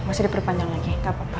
masih diperpanjang lagi gapapa